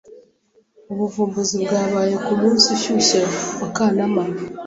Ubuvumbuzi bwabaye ku munsi ushyushye wa Kanama